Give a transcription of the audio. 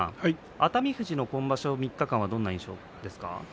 熱海富士の今場所３日間はどんな印象ですか？